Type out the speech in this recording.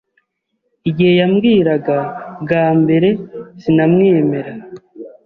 Igihe yambwiraga bwa mbere, sinamwemera.